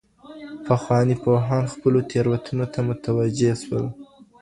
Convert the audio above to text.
پخواني پوهان خپلو تېروتنو ته متوجه سول.